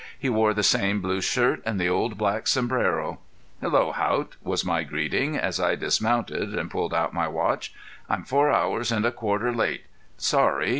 He wore the same blue shirt and the old black sombrero. "Hello Haught," was my greeting, as I dismounted and pulled out my watch. "I'm four hours and a quarter late. Sorry.